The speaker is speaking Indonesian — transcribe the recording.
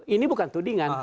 ini bukan tudingan